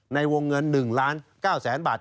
ในวงเงิน๑ล้าน๙แสนบาท